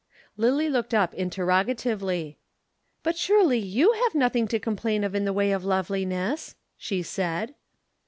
Lillie looked up interrogatively. "But surely you have nothing to complain of in the way of loveliness?" she said.